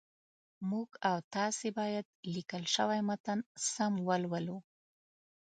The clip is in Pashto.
موږ او تاسي باید لیکل شوی متن سم ولولو